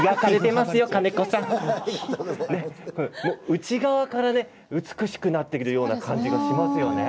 内側から美しくなってくるような感じがしますよね。